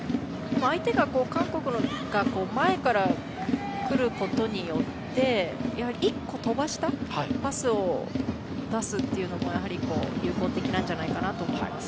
韓国が前から来ることによって１個飛ばしたパスを出すっていうのが有効的じゃないかなと思います。